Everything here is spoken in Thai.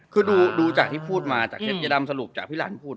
คือดูจากที่พูดมาจากคลิปยายดำสรุปจากพี่หลันพูด